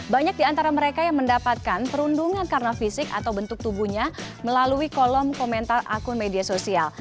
banyak di antara mereka yang mendapatkan perundungan karena fisik atau bentuk tubuhnya melalui kolom komentar akun media sosial